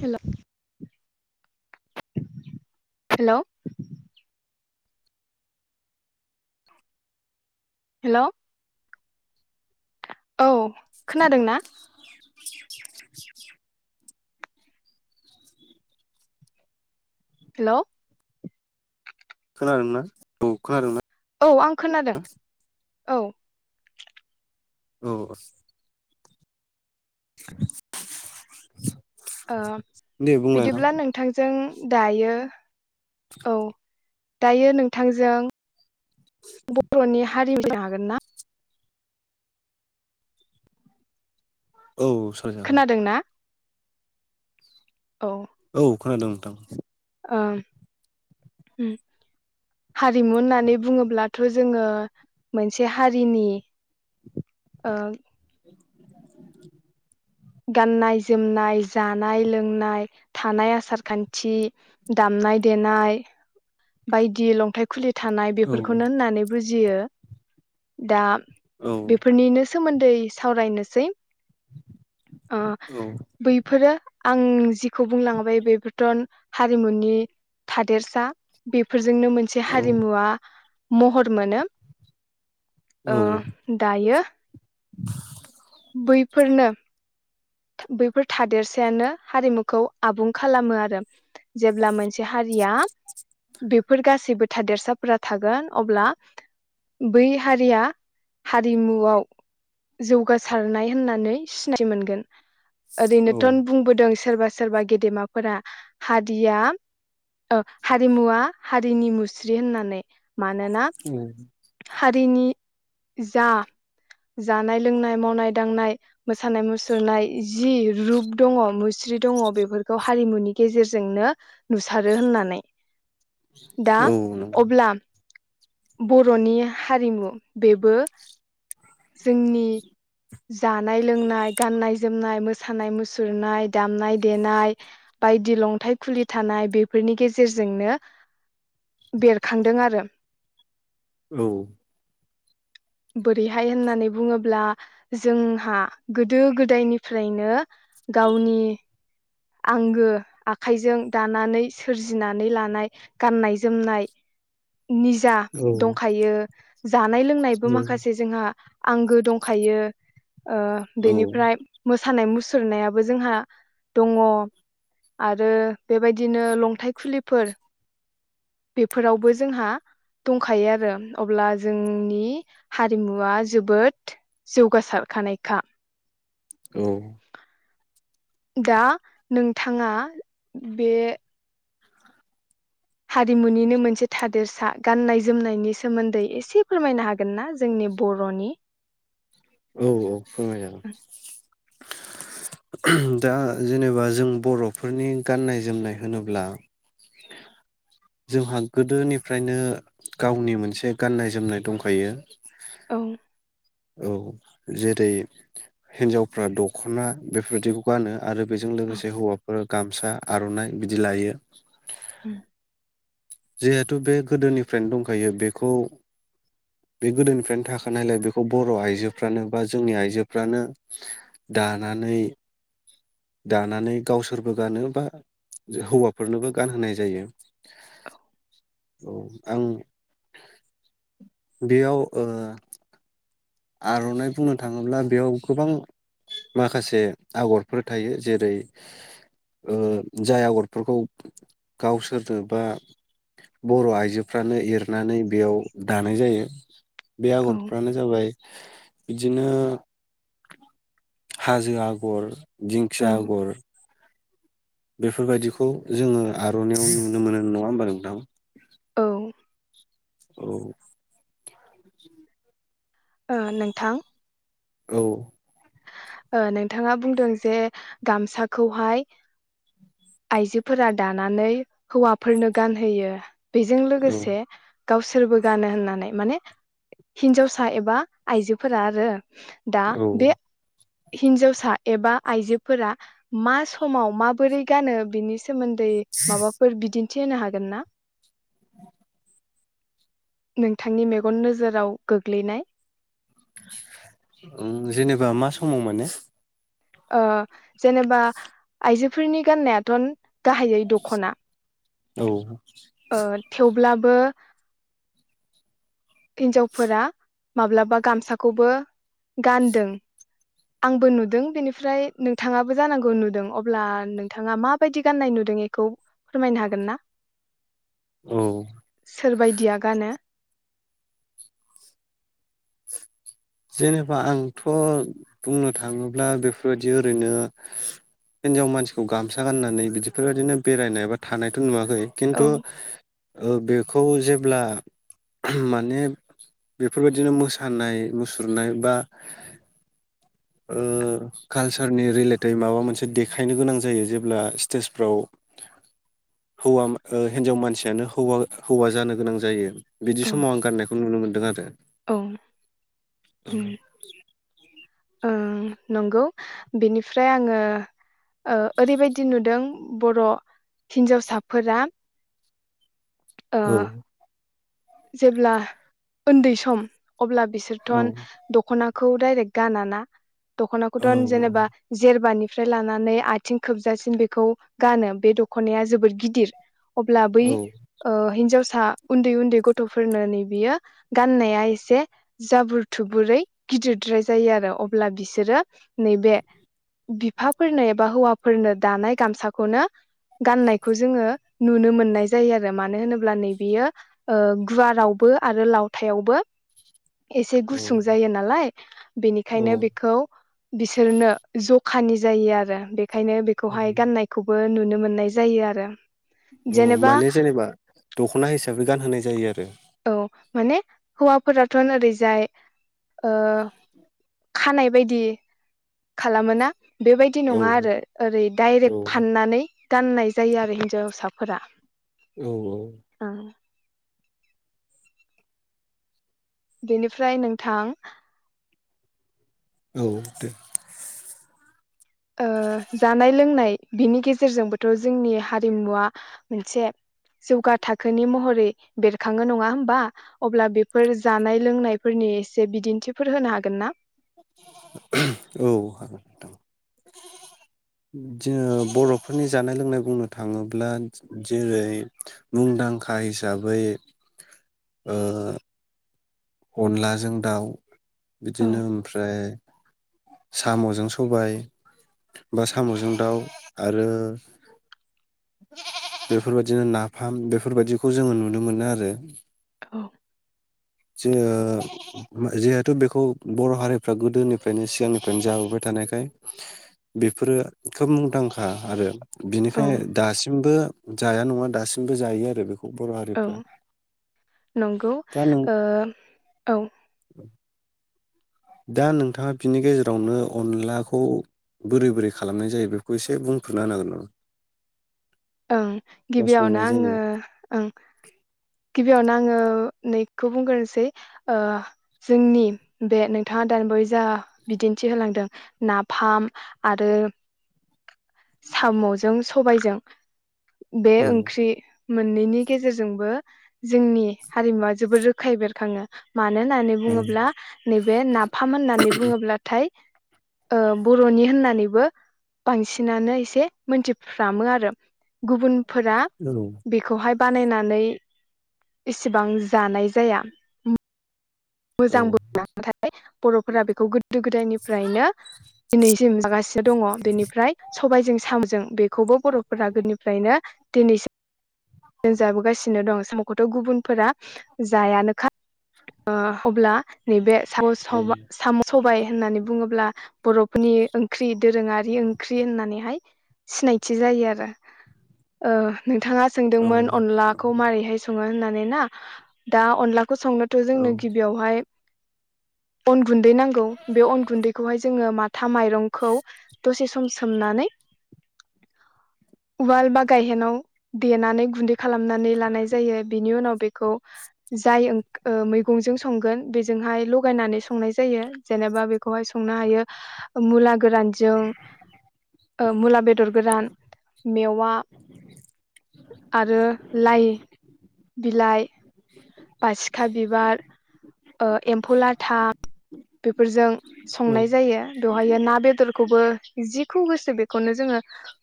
हेल' हेल' [inaudible] हेल' औ खोनादों ना [inaudible] हेल' खोनादों ना औ खोनादों ना औ आं खोनादों औ औ। [inaudible] ओ दे बुंलाय बिदिब्ला नोंथां नोंथांजों दायो औ दायो नोंथांजों बर'नि [unintelligible] हागोन ना? औ सावराय जागोन। खोनादों ना औ। औ खोनादों नोंथां। हारिमु होननानै बुङोब्लाथ जोङो मोनसे हारिनि गाननाय जोमनाय जानाय लोंनाय थानाय आसार खान्थि दामनाय देनाय बायदि लंथाइ खुलि थानाय औ बेफोरखौनो होननानै बुजि बुजियो दा औ बेफोरनिनो सोमोन्दै सावरायनोसै। अ औ बैफोरो आं जिखौ बुंलांबाय बेफोरथ हारिमुनि थादेरसा बेफोर फोरजोंनो मोनसे हारिमुवा महर मोनो। औ ओ दायो [inaudible] बैफोरनो बैफोर थादेरसायानो हारिमुखौ आबुं खालामो आरो। जेब्ला मोनसे हारिया बेफोर गासैबो थादेरसाफोरा थागोन अब्ला बै हारिया हारिमुआव जौगासारनाय होननानै सिनायथि मोनगोन। औ ओरैनोथ बुंबोदों सोरबा सोरबा गेदेमाफोरा हारिया हारिमुवा हारिनि मुस्रि होननानै मानो ना औ हारिनि जा जानाय लोंनाय मावनाय दांनाय मोसानाय मुसुरनाय जि रुप दङ मुस्रि दङ बेफोरखौ हारिमुनि गेजेरजोंनो नुसारो होननानै दा औ नंगौ अब्ला बर'नि हारिमु बेबो जोंनि जानाय लोंनाय गाननाय जोमनाय मो मोसानाय मुसुरनाय दामनाय देनाय बायदि लंथाइ खुलि थानाय बेफोरनि गेजेरजोंनो बेरखांदों आरो। औ। बोरैहाय होननानै बुङोब्ला जोंहा गोदो गोदायनिफ्रायनो गावनि आंगो आखाइजों दानानै सोरजिनानै लानाय गाननाय जोमनाय निजा औ दंखायो। जानाय लोंनायबो माखासे जोंहा आंगो दंखायो ओ औ बेनिफ्राय सानाय मुसुरनायाबो जोंहा दङ आरो बेबायदिनो लन्थाइ खुलिफोर बेफोरावबो जोंहा दंखायो आरो अब्ला जोंनि हारिमुवा जोबोद जौगासारखानायखा। औ दा नोंथांङा बे हारिमुनिनो मोनसे थादेरसा गाननाय जोमनायनि सोमोन्दै एसे फोरमायनो हागोन ना जोंनि बरनि औ औ फोरमायजागोन दा जेनेबा जों बरफोरनि गाननाय जोमनाय होनोब्ला जोंहा गोदोनिफ्रायनो गावनि मोनसे गाननाय जोमनाय दंखायो। औ औ जेरै हिन्जावफ्रा दखना बेफोरबायदिखौ गानो। आरो बेजों लोगोसे हौवाफोरा गामसा आर'नाइ बिदि लायो। उम जिहेथु बे गोदोनिफ्रायनो दंखायो बेखौ बे गोदोनिफ्रायनो थाखानायलाय बेखौ बर' आइजोफ्रानो बा जोंनि आइजोफ्रानो दानानै दानानै गावसोरबो गानो बा हौवाफोरनोबो गानहोनाय जायो। औ औ आं बेयाव ओ आर'नाइ बुंनो थाङोब्ला बेयाव गोबां माखासे आगरफोर थायो जेरै ओ जाय आगरफोरखौ गावसोरनो बा बर' आइजोफ्रानो एरनानै बेयाव दानाय जायो। बे औ आगरफ्रानो जाबाय बिदिनो हाजो आगर औ दिंखिया आगर बेफोरबायदिखौ जोङो आर'नायाव नुनो मोनो नङा होमबा नोंथां? औ औ ओ नोंथां औ ओ नोंथाङा बुंदों जे गामसाखौहाय आइजोफोरा दानानै हौवाफोरनो गानहोयो बेजों औ लोगोसे गावसोरबो गानो होननानै माने हिन्जावसा एबा आइजोफोरा आरो दा औ बे हिनजावसा एबा आइजोफोरा मा समाव माबोरै गानो बिनि स सोमोन्दै माबाफोर बिदि थिहोनो हागोन ना? नोंथांनि मेगन नोजोराव गोग्लैनाय ओम जेनेबा मा समाव माने ओ जेनेबा आइजोफोरनि गाननायाथ गाहायै दख'ना औ ओ थेवबो लाबो हिन्जावफोरा माब्लाबा गामसाखौबो गानदों आंबो नुदों बेनिफ्राय नोंथाङाबो जानांगौ नुदों अब्ला नोंथाङा माबायदि गाननाय नुदों बेखौ फोरमायनो हागोन ना? औ सोरबायदिया गानो? जेनेबा आंथ बुंनो थाङोब्ला बेफोरबायदि ओरैनो हिनजाव मानसिखौ गामसा गाननानै बिदिफोरबायदिनो बेरायनाय बा थानायथ नुवा खै खेन्थु औ बेखौ जेब्ला माने बेफोरबायदिनो मोसानाय मुसुरनाय बा ओ कालसारनि रिलेटेड माबा मोनसे देखायनो गोनां जायो जेब्ला स्टेजफ्राव हौवा हिनजाव मानसियानो हौवा हौवा जानो गोनां जायो बिदि औ समाव आं गाननाय खौ नुनो मोन्दों आरो। औ उम आ नंगौ बेनिफ्राय आङो ओ ओरैबायदि नुदों बर हिन्जावसाफोरा ओ। औ जेब्ला उन्दै सम अब्ला औ बिसोरथन दखना -खौ दाइरेक्ट गाना ना दखनाखथन जेनेबा जेरबानि फ्राय लानानै आथिं खोबजासिन बेखौ गानो बे दखनाया जोबोद गिदिर अब्ला बै औ ओ हिनजावस -सा उन्दै उन्दै गथ थफोरनो नै बियो गाननाया एसे जाबोर थुबुरै गिदिरद्राय जायो आरो अब्ला बिसोरो नैबे बिफाफोरनो एबा हौवाफोरनो दानाय गामसाखौनो गाननायखौ जोङो नुनो मोननाय जायो आरो मानो होनोब्ला नैबेयो ओ गुवारावबो आरो लावथायावबो एसे गुसुं जायो नालाय औ बेनिखायनो बेखौ बिसोरनो ज खानि जायो आरो बे खायनो बेखौहाय गान्नायखौबो नु- नुनो मोननाय जायो आरो। औ जेनेबा माने जेनेबा दखना हिसाबै गानहोनाय जायो आरो औ माने हौवाफोराथ ओरैजाय ओ खानाय बायदि खालामो ना? बेबायदि औ नङा आरो ओरै औ दडाइरेक्ट फाननानै गाननाय जायो आरो हिन्जावसाफोरा औ औ ओं बेनिफ्राय नोंथां औ दे ओ जानाय लोंनाय बिनि गेजेरजोंबोथ जोंनि हारिमुवा मोनसे जौगा थाखोनि महरै बेरखाङो नङा होमबा अब्ला बेफोर जानाय लोंनायफोरनि एसे बिदिन्थिफोर होनो हागोन ना? [inaudible] [unintelligible] औ हागोन नोंथां। जोङो बर'फोरनि जानाय लोंनाय बुंनो थाङोब्ला जेरै मुंदांखा हिसाबै ओ अनलाजों दाउ औ बिदिनो ओमफ्राय साम'जों सबाय बा साम'जों दाउ आरो [inaudible] बेफोरबायदिनो नाफाम बेफोरबायदिखौ जोङो नुनो मोनो आरो। औ। जिओ जिहेतु बेखौ बर' हारिफ्रा गोदोनिफ्रायनो स सिगांनिफ्रायनो जाबोबाय थानायखाय बेफोरो खोब मुंदांखा आरो। औ बिनिफ्राय दासिमबो जाया नङा दासिमबो जायो आरो बेखौ। बर' औ हारिफ्रा नंगौ दा नों ओ औ। दा नोंथाङा बिनि गेजेरावनो अनलाखौ बोरै बोरै खालामनाय जायो बेखौ एसे बुंफोरना होनो हागोन नामा? ओं बा गिबियावनो संनाय आङो जायो ओं गिबियावनो आं आङो नैखौ बुंग्रोनोसै ओ जोंनि बे नोंथाङा दानिबावै जा बिदिन्थि होलांदों नाफाम आरो साम'जों सबायजों बे औ ओंख्रि मोननैनि गेजेरजोंबो जोंनि हारिमुवा जोबोर रोखायै बेरखाङो। मानो होननानै आं बुङोब्ला नैबे नाफाम होननानै बुङोब्लाथाय ओ बर'नि होननानैबो बांसिनानो एसे मोनथिफ्रामो आरो। गुबुनफोरा औ बेखौहाय बानायनानै इसेबां जानाय जाया। उम मोजांबोमोना नाथाय बर'फोरा बेखौ गोदो गोदायनिफ्रायनो दिनैसिम जागासिनो दङ बेनिफ्राय सबायजों साम'जों बेखौबो बर'फोरा गोदोनिफ्रायनो दिनैसिम जाबोगासिनो दं सामखौथ' गुबुनफोरा जायानोखा ओ अब्ला नैबे साम' औ सावबा साम' सबाय होननानै बुङोब्ला बर'फोरनि ओंख्रि दोरोङारि ओंख्रि होननानैहाय सिनायथि जायो आरो ओ नोंथाङा औ सोंदोंमोन अनलाखौ मारैहाय सङो होनना नै ना दा अनलाख खौ संनोथ' औ जोंनो गिबियावहाय अन गुन्दै नांगौ बे अन गुन्दैखौहाय जोङो माथा माइरंखौ दसे सम सोमनानै उवाल बा गायहेनाव देनानै गुन्दै खालामनानै लानाय जायो बिनि उनाव बेखौ जाय ओंख मैगंजों संगोन बिजोंहाय लगायनानै संनाय जायो जेनेबा बेखौहाय संनो हायो मुला गोरानजों ओ मुला बेद दर गोरान। मेवा आरो लाइ बिलाइ बासिख खा बिबार एम्फौ लाथा बेफोरजों संनाय जायो बेवहायो ना बेदर खौबो जिखौ गोसो बेखौनो जोङो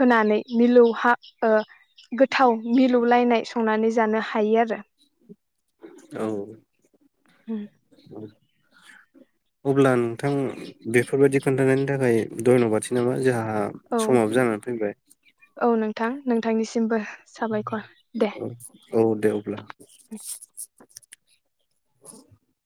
होनानै मिलौहाब ओ गोथाव मिलौलायनाय संनानै जानो हायो आरो। औ उम अब्ला नोंथां बेफोरबायदि खोन्थानायनि थाखाय धन्य'बादसै नामा जोहा आ औ समाबो जानानै फैबाय नोंथांनि सिमबो औ औ दे अब्ला [unintelligible]